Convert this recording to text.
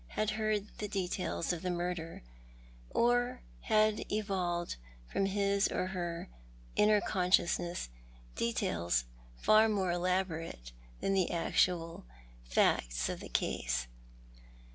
had heard the details of tlie murder, or had evolved from his or her inner consciousness details far more elaborate than the actual facts of the case.